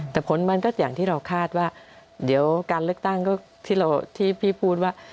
แต่ผลมันก็อย่างที่เราคาดว่าเดี๋ยวการเลือกตั้งก็ที่พี่พูดว่า